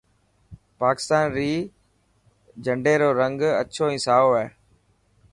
پاڪستان ري جهنڊي رو رنگ اڇو ۽ سائو هي.